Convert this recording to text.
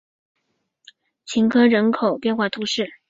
勒科人口变化图示